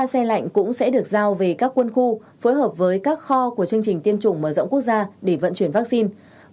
một mươi xe lạnh cũng sẽ được giao về các quân khu phối hợp với các kho của chương trình tiêm chủng mở rộng quốc gia để vận chuyển vaccine